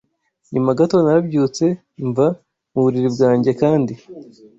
Nyuma gato narabyutse mva mu buriri bwanjye, kandi